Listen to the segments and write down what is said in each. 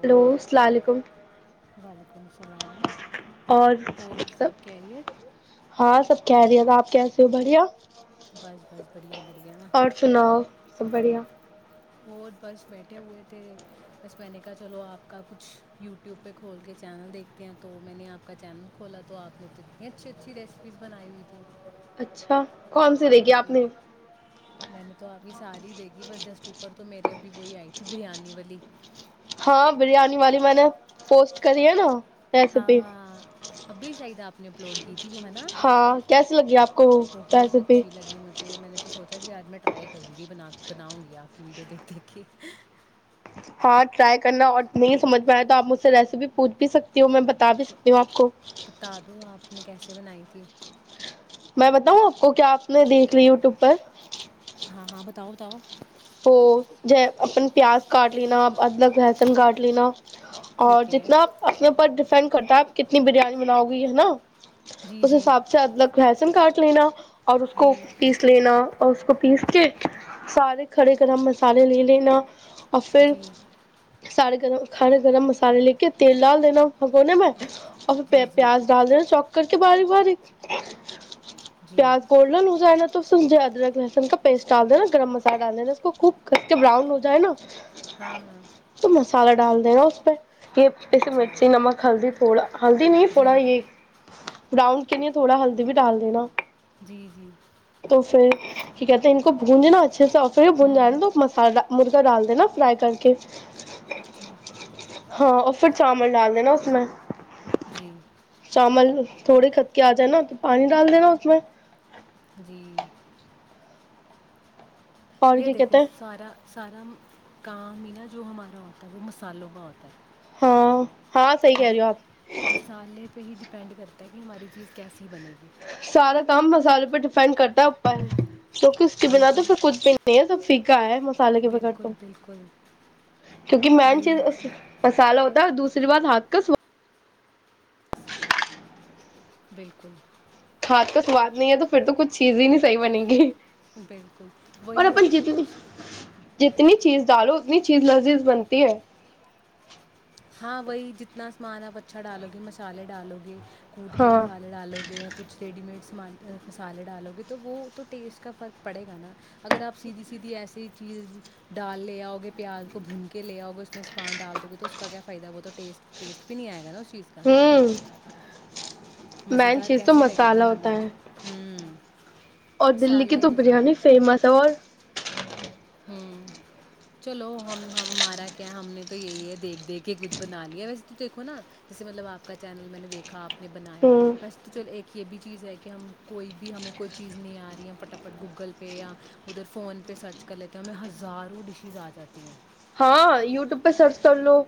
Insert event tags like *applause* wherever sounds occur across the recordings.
Hello السلام علیکم وعلیکم السلام اور سب ہاں سب کہہ دیا تھا آپ کیسے ہو بڑھیا بس بس بڑیا بڑیاں اور سناؤ سب بڑھیا اور بس بیٹھے ہوئے تھے بس میں نے کہا چلو آپ کا کچھ یوٹیوب پہ کھول کے چینل دیکھتے ہیں تو میں نے آپ کا چینل کھولا تو آپ نے اتنی اچھی اچھی ریسیپیز بنائی ہوئی تھی اچھا کون سی ہاں دیکھی جی آپ نے من تو آ یہ ساری دے گی بس جسٹ اوپر تو میرے ابھی وہی آئی تھی بریانی والی ہاں بریانی والی میں نے پوسٹ کری ہے نا ہاں ریسیپی ہاں ابھی چاہید اپ نے اپلوڈ کیت ت وہ ہے نا ہاں کیسی لگی آپ کو بہت ریسیپی اچھی لگی مجھے میں نے تو سوچا کہ آج میں ٹرائی کروں گی ب بناؤں گی آپ کی ویڈیو دیکھ دیکھ کے ہاں ٹرائی کرنا اور نہیں سمجھ پا رہے تو آپ مجھ سے ریسیپی پوچھ بھی سکتے میں بتا بھی سکتی ہوں آپ کو بتا دو آپ نے کیسے بنائی تھی میں بتاؤں آپ کو کیا آپ نے دیکھ لی یوٹیوب پر ہاں ہاں بتاؤ بتاؤ تو ج اپن پیاز کاٹ لینا ادرک لہسن کاٹ لینا اور ٹھیک ہے جتنا اپنے اوپر سینڈ کرتا ہے آپ کتنی بریانی بناؤ گی ہے نا جی اس جی حساب سے ادلک کاٹ لینا اور اس کو جی پیس لینا اور اس کو پیس کے سارے کڑے کرے مسالے لے لین اور پھر جی سارے ک کھے گرم مسالے لے کے تیل ڈال دینا گ ن میں اچھ اور جی پھر جی پیاز ڈال دینا چوکر بار بار جی پیاز کوول ل لوزانا تومھے ادرک لہسن کا پسٹ ڈال د نا گرم مسالے ڈالا اس کو خوب کھ کے بران ہو جائے نا ہاں ہاں تو مسالہ ڈال دے گا اس پہ یہ ایسی اچھا مرچی نمک ہلدی تھوڑا ہلدی نہیں جی تھوڑا یہ براؤن کینی تھوڑا ہلدی ڈال دینا جی جی تو پھر کہتے ہیں ان کو بونجناا اچھے سے ہوں بناا ہوں تو مسالہ مر ڈال د نا فرائی کر کے اچھا ہاں اور پھر چاول ڈال دینا اس میں جی چامول تھوڑے کھد کے آ جائے نا تو پانی ڈال دینا اس میں جی اور یہ کیا دھو کہتے ہیں سارا سارا کا مین جو ہمارا ہوتا ہے وہ مسالوں کا ہوتا ہے ہاں ہاں صحی کہہ ہر رہے ہو آپ ایک مصالحے پہ ہی ڈپینڈ کرتا ہے کہ ہماری چیز کیسی بنے گی سارا کام مسالے پر ڈیپینڈ کرتا ہے اوپر کیکہ اس کے بنا تو پ کود بھی نہیں ہے سب پھکا ہے مسالے کے بغیر بالکل تو بالکل کیونکہ مین وہی چیز مسالہ ہوتا دوسری بار ہاتھ کا سو *unintelligible* بالکل سواد ہاتھ کا سواد نہیں ہے تو پھر تو کچھ چیز ہی نہیں صحی بنےیں گی بالکل اور وہی نا اپن جتنی جتنی چیز ڈالو اتنی چیز لذیذ بنتی ہے ہاں وہی جتنا سامان آپ اچھا ڈالو گے مسالے ڈالو گے کوٹ کے ہاں مسالے ڈالو گے کچھ ریڈی میڈ مسالے ڈالو گے تو وہ تو ٹیسٹ کا فرق پڑے گا نا اگر آپ سیدھی سیدھی ایسی چیز ڈال لے آؤگے پیاز کو بھون کے لے آؤ گے اسس میں سے پان ڈال دو گے تو اس کا کیا فائد وہہ تو ٹیسٹ ٹیسٹ بھی نہیں آئے گ ہے نا چیز کا ہوں مین مزیدار چیز تو کیسے لگے مسالہ گی ہمیں ہوتا ہے ہوں اور دلی کی مصالحہ ہی تو سارا بریانی فیمس ہے اور ہ چلو ہم ہم ہمارا کیا ہم نے تو یہی ہے دیکھ دیکھ کے کچھ بنا لیا ویسے تو دیکھو نا جیسے مطلب آپ کا چینل میں نے دیکھا آپ نے بنایا ہوں بسے تو چل ایک یہ بھی چیز ہے کہ ہم کوئی بھی ہمیں کوئی چیز نہیں آ رہی ہے ہم پھٹافٹ گوگل پہ یا ادھر فون پہ سرچ کل کہ ہمیں ہزاروں ڈشیز آ جاتی ہیں ہاں یوٹیوب پہ سرچ کر لو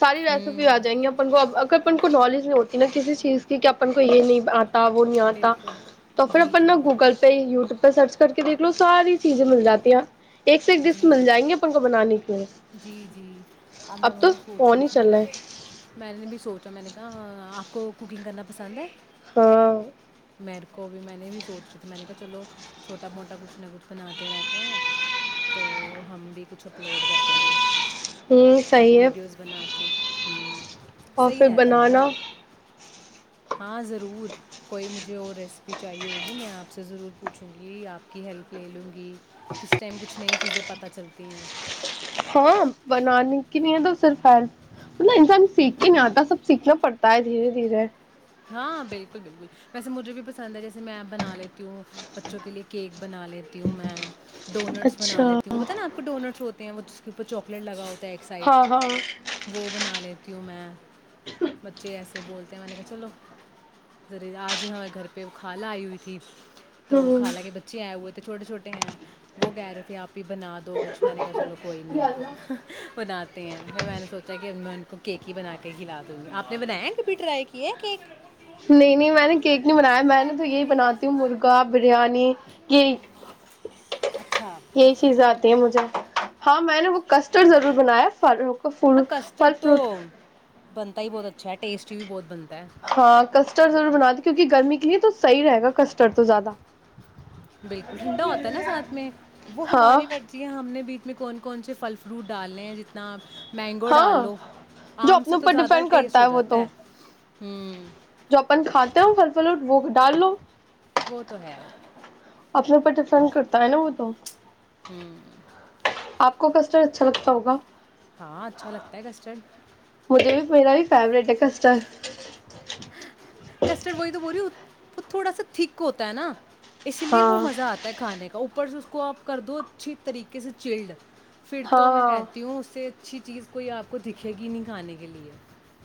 ساری ریسیپی آ ہوں جائیںی اپن کو اگرن نالج نہیں ہوتی نا کسی چیز کی کہ اپن کو یہ نہیں آتی وہ نہیں آتا بالکل تو پھر جی اپن نا جی گوگل پہ یوٹیوب پہ سرچ کر کے دیکھ لو ساری چیزیں مل جاتی ہیں ایک سے ایک ڈس جی مل جائیں گے پنکھ بنانے کے لیے جی جی اب میں تو وہی سوچ رہی فون ہی چل رہا تھی ہے میں نے بھی سوچا میں نے کہ آپ کو کوکنگ کرنا پسند ہے ہاں میرے کو بھی میں نے بھی سوچی تھی میں نے کہا چلو چھوٹا موٹا کچھ نہ کچھ بناتے رہتے ہیں تو ہم بھی کچھ اپلوڈ کر دیں گے ہوں صی ہے ک ہوں اور صحیح پھر رہتا ہے یار بنانا ہاں ضرور کوئی مجھے اور ریسیپی چاہیے ہوگی میں آپ سے ضرور پوچھوں گی آپ کی ہیلپ لے لوں گی کس ٹائم کچھ کچھ نئی چیزیں پتہ چلتی ہیں ہاں بنانے کی نہیں ہے تو صرف ہیپ انسان سیکھ کے نہیں آتا سب سیکھنا پڑتا تائے دھیرے دھیر ہاں، بالکل، بالکل۔ ویسے مجھے بھی پسند ہے جیسے میں بنا لیتی ہوں بچوں کے لیے کیک بنا لیتی ہوں میں ڈونٹس بنا اچھا لیتی ہ پتا نا آپ کو ڈونٹس ہوتے وہ اس کے اور چاکلیٹ لگا ہو ایک سائڈ ہاں ہاں وہ بنا لی تیوں میں بچے ایسے بولتے ہیں میں نے کہا چلو ذر آج ہمیں گھر پہ کھال آئی ہوئی تھی تو خالان کےہ بچے آئے ہوئے تھ تو چھوٹے چھوٹے ہیں وہ کہہ رہے کہ آپ ہی بنا دو کچھ میں نے چلو کوئیئی ہوں نہیں بناتے ہیں پھر میں نے سوچا کہ میں ان کو کیک ہی بنا کے کھلا دوں گی آپ نے بنایا کبھی ٹرائی کیے نہیں نہیں میں نے کیک نہیں بنایا میں نے تو یہی بناتی ہوں مرغا بریانی کیک اچھا یہی چیزیں آتی ہیں مجھے ہاں میں نے وہ کسٹرڈ ضرور بنایا ف ک ف ہاں فل کسٹرڈ تو فروٹ بنتا ہی بہت اچھا ہےٹیسٹ بھی بہت بنتا ہے ہاں کسٹرڈ ضر بنا دی کیونکہ گرمی یہ تو صح رہے گا کسٹرڈ تو زیادہ بالکل ٹھنڈا ہوتا ہے نا ساتھ میں وہ ہاں ہماری رزی ہے ہم نے بی میں کون کون سے پل فروٹ ڈال رہے ہیں جتنا مینگو ہاں ڈال لو جو آم اپنے سے تو اوپر زیادہ ڈیپینڈ ٹیسٹ کرتا ہے ہو وہ جاتا تو ہوں جو اپن کھاتے اچھا ہو پھل فلٹ وہ ڈالو وہ تو ہے اپنے اوپر ڈفرنٹ کرتا ہے نا وہ تو ہوں آپ کو کسٹرڈ اچھا لگتا ہوگا ہاں اچھا لگتا ہے کسٹرڈ فیوروریٹ ہےسر کسٹرڈ بائی تو بو رہی ہو وہ تھوڑا سا تھک ہوتا ہے نا اسی لیے وہ ہاں مزہ آتا ہے کھانے کا اوپر اس کو آپ کر دو اچھی طریقے سے چلڈ پھر تو میں ہاں کہتی ہوں اسے اچھی چیز کوئی آپ کو دکھے گی نہیں کھانے کے لیے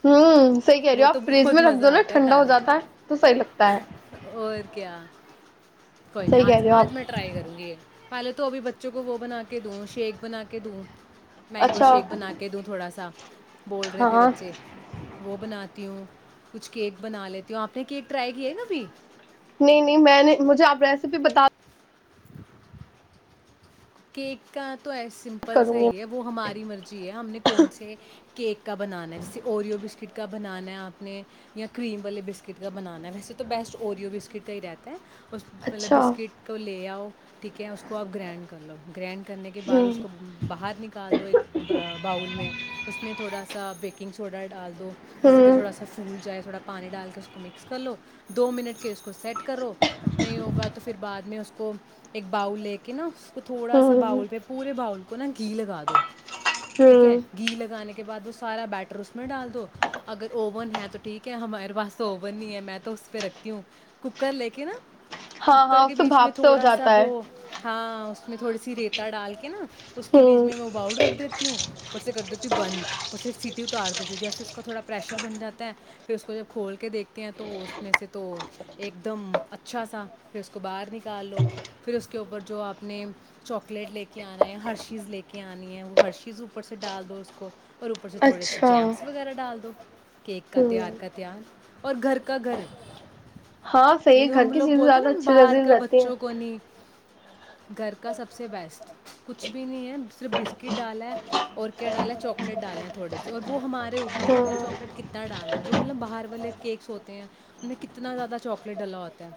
ہوں سی رہ وہ آ تو فریج بہت میں رکھ مزہ دو نا آتا ہے ٹھنڈا ہو کھانے جاتا ہے تو صحیح لگتا ہے اور کیا کوئی نہیں صحیح کہہ آج رہے ہو آج میں آپ ٹرائی کروں گی پہلے تو ابھی بچوں کو وہ بنا کے دوں شیک بنا کے دوں مینگو اچھا شیک بنا کے دوں تھوڑا سا بول رہے تھے ہاں بچے وہ بنا تیوں *unintelligible* کچھ کیک بنا لیتی ہووں آپ نے کیک ٹرائی کیا ہے نا ابھی نہیں نہیں میں نے مجھے آپ ریسیپی بتا کیک *unintelligible* تو ایس سمپل کروں گی صحیح ہے وہ ہماری مرضی ہے ہم نے کون سے کیک کا بنانا ہے جیسے اورویو بسکٹ کا بنانا ہے آپ نے یا کریم والے بسکٹ کا بنانا ہے ویسے تو بیسٹ اوریو بسکٹ کا ہی رہتا ہے اس مطلب اچھا بسکٹ کو لے آؤ ٹھیک ہے اس کو آپ گرنڈ کر لو گرینڈ کرنے کے بعد ہوں اس کو باہر نکال دو ایک باؤل میں اس میں تھوڑا سا بیکنگ سوڈا ڈال تو جس پ پر ہوں تھوڑا سا پھول جائے تھوڑا پانی ڈال کے اس کو مکس کر لو دو منٹ کے اس کو سیٹ کرو نہیں ہوگا تو پھر بعد میں اس کو ایک باؤل لے کے نا اس تو تھوڑا سا ہوں باؤل پہ پورے باؤل کو نا گھی لگا دو ٹھیک ہے ہوں گھی لگانے کے بعد وہ سارا بیٹر اس میں ڈال دو اگر اوون ہے تو ٹھیک ہے ہمارے پاس اوون نہیں ہے میں تو اس پہ رکھتی ہوں کوکر لے کے نا ہاں ککر ہاں کے اس سے بیچ میں بھاپ سے ہو تھوڑا سا جاتا ہے وہ ہاں اس میں تھوڑی سی ریتا ڈال کے نا اس کے بیچ ہوں میں باؤل رکھ دیتی ہوں پرس سے کر دیتی ہوں تی بند اور صرف سیٹی اتار دیتی ہوں جیسے اس کا تھوڑا پریشر بن جاتا ہے پھر اس کو جب کھول کے دیکھتی ہیں تو اس میں سے تو ایک دم اچھا سا پھر اس کو باہر نکال لو پھر اس کے اوپر جو آپ اپنے چاکلیٹ لے کے آنا ہے ہر چیز لے کے آنی ہے وہ ہر چیز اوپر سے ڈال دو اس کو اور اوپر سے تھوڑے سے اچھا جیمس وغیرہ ڈال دو کیک کا ہوں تیار کا تیار اور گھر کا گھر ہاں صحیح نہیں ہے تو گھر ہم کی لوگ چیزیں بولتے ہیں زیادہ نا اچھے باہر نظر کا رہتی ہیں بچوں کو نہیں گھر کا سب سے بیسٹ کچھ بھی نہیں ہے صرف بسکٹ ڈالا ہے اور کیا ڈالا ہے چاکلیٹ ڈالے ہیں تھوڑے سے اور وہ ہمارے اوپ ہے ہم نے ہوں چواکلیٹ کتنا ڈالنا ہے جو مطلب باہر والے کیکس ہوتے ہیں ان میں کتنا زیادہ چاکلیٹ ڈالا ہوتا ہے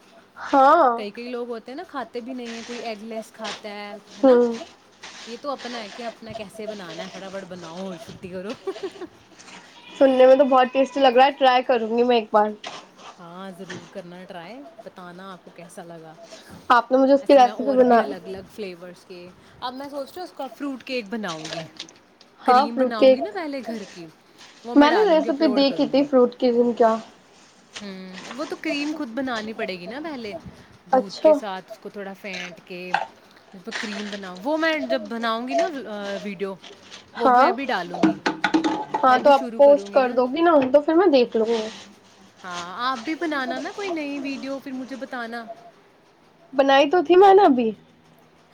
ہاں کئی کئی لوگ ہوتے نا کات بھی نہیں ہے کوئی ای رلس کھاتا ہے ہے نا ہوں یہ تو اپنا ہے کہ اپنا کیسے بنانا ہے فٹافٹ بناؤ اور چھٹی کرو سننے میں تو بہت ٹیسٹی لگ رہا ہے ٹرائی کروں گی میں ایک بار ہاں ضرور کرنا ٹرائی بتانا آپ کو کیسا لگا آپ نے مجھے اس کی ایسے میں ریسیپی اور بھی بنا الگ الگ فلیورس کے اب میں سوچ رہیوں اس کا فروٹ کیک بناؤں گی ہاں کریم فروٹ بناؤں گی کیک نا پہلے گھر کی وہ میں نے ڈالوں گی ریسیپی اپلوڈ دیکھی کروں گی تھی فروٹ کے دن کیا ہوں وہ تو کریم خود بنانی پڑے گی نا پہلے دودھ کے اچھا ساتھ اس کو تھوڑا پینٹ کے کریم بناؤ وہ میں جب بناؤں گی نا ویڈیو وہ بھی ہاں میں بھی ڈالوں گی ہاں میں تو بھی آپ شروع پوسٹ کروں کر دو گی نا تو پھر میں دیکھ لوں گا ہاں آپ بھی بنانا نا کوئی نئی ویڈیو پھر مجھے بتانا بنائی تو تھی میں نا ابھی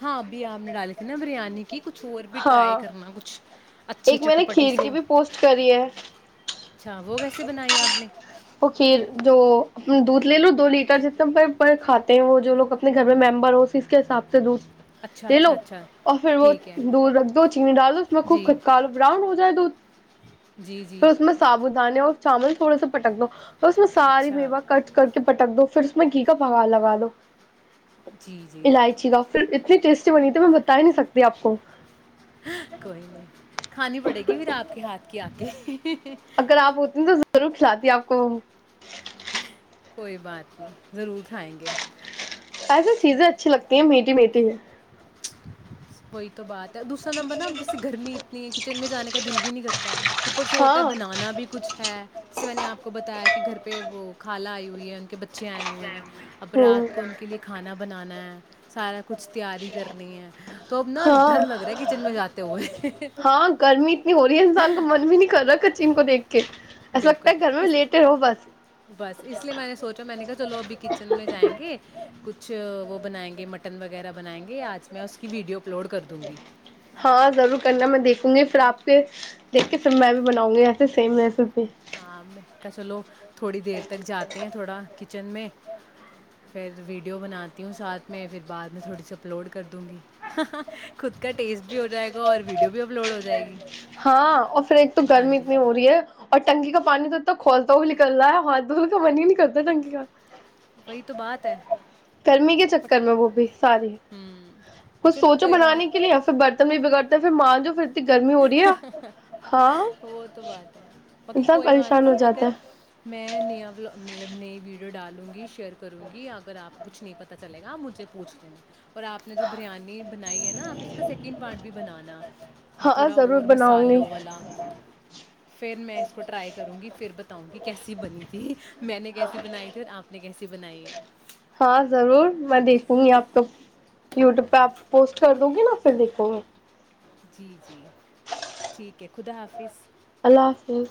ہاں ابھی آپ نے ڈالی تھی نا بریانی کی کچھ اور بھی ٹرائی ہاں کرنا کچھ اچھے ایک میں نے چٹپٹے کھیر کی سے بھی پوسٹ کری ہے اچھا وہ کیسے بنائی آپ نے *inaudible* لے اچھا لو اچھا اچھا اور پھر وہ ٹھیک ہے دودھ رکھ دو چینی ڈال دو اس میں خوب جی خودکارو براؤن ہو جائے دودھ جی جی پھر اس میں سابو دانے اور چاول تھوڑ سا پٹک دو اس میں ساری اچھا میوا کٹ کر کے پٹک دو پھر اس میں کی کا پگا لگا دو جی جی الائچی کا پھر اتنی ٹیسٹی بنی تھی میں بتا ہی نہیں سکتی آپ کو کوئی نہیں کھانی پڑے گی پھر آپ کے ہاتھ کیا آتی اگر آپ ہوتے ن تو ضرور کھلاتی آپ کو کوئی بات نہیں ضرور کھائیں گے ایسے چیزیں اچھی لگتی ہیں میٹھی میٹھی ہے ہوئی تو بعد دوسرا نمبر نا جیسے گرمی اتنی ہے کچن میں جانے کا دل بھی نہیں کرتا ہے اوپر سے ہوتا ہے ہاں بنانا بھی کچھ ہے جیسے میں نے آپ کو بتایا کہ گھر پہ وہ کھالا آئی ہوئی ہے ان کے ب بچے آئے ہوئے ہیں اب ہوں رات کو ان کے لیے کھانا بنانا ہے سارے کچھ تیاری کرنی ہے تو اب نا ہاں ڈر لگ رہا ہے کچن میں جاتے ہوئے ہاں گرمی اتنی ہو رہی ہے انسان کا من بھی نہیں کر رہا کو دیک ایسا بالکل لگتا ہے گھر میں اس لیٹ ہو بس بس اس لیے میں نے سوچا میں نے کہا چلو ابھی کچن میں جائیں گے کچھ وہ بنائیں گے مٹن وغیرہ بنائیں گے آج میں اس کی ویڈیو اپلوڈ کر دوں گی ہاں ضرور کرنا میں دیکھوں گی پھر آپ کے دیکھ کے پھر میں بھی بناؤں گی ایسے سیم ویسے پی کیا چلو تھوڑی دیر تک جاتے ہیں تھوڑا کچن میں پھر ویڈیو بناتی ہوں ساتھ میں پھر بعد میں تھوڑی سی اپلوڈ کر دوں گی خود کا ٹیسٹ بھی ہو جائے گا اور ویڈیو بھی اپلوڈ ہو جائے گی ہاں اور پھر ایک تو ہاں گرمی جی اتنی ہو رہی ہے اور نکی کا پانی تو انا کھولتا ہو نکل رہ ہے ہاتھ دھوول کا پانی ہی نہیں کرتا ہے ٹنکی کا وہی تو بات ہے گرمی کے چکر میں وہ بھی ساری کچھ چلو سوچو کوئی بنانے کے بات لیے یا پھر برتن بھی بگڑتے پھر ماں جو پھر ت گ وہ تو بات ہے باقی انسان کوئی بات پریشان ہو نہیں جاتا اگر ہے میں نیا مطلب نئی وڈیو ڈالوں گی شیئر کروں گی اگر آپ کو کچھ نہیں پتا چلے گا آپ مجھے پوچھ لینا اور آپ نے جو بریانی بنائی ہے نا آپ اس کا سیکنڈ پارٹ بھی بنانا ہاں تھوڑا ضرور اور بناؤں گی مسالوں والا پھر میں اس کو ٹرائی کروں گی پھر بتاؤں کیسی بنی تھی میں نے کیسی بنائی تھی اور آپ نے کیسی ی بنائیے ہاں ضرور میں دیکھوں گی آپ کو یوٹیوب پہ ہاں آپوسٹ دو گے نا سند پ جی جی ٹھیک ہے خدا حافظ اللہ حافظ